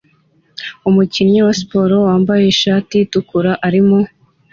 Umukinnyi wa siporo wambaye ishati itukura arimo